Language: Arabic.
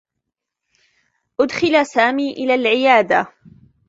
أُدخل سامي إلى العيادة.